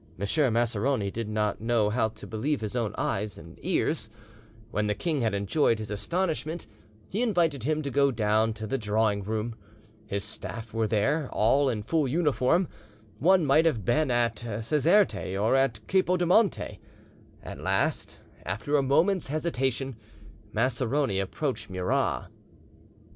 Maceroni did not know how to believe his own eyes and ears. When the king had enjoyed his astonishment, he invited him to go down to the drawing room. His staff were there, all in full uniform: one might have been at Caserte or at Capo di Monte. At last, after a moment's hesitation, Maceroni approached Murat.